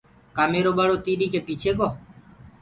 ڪآ ميرو ٻڙو تيڏ ڪي پيڇي گو۔